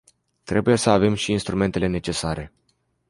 Trebuie să avem și instrumentele necesare.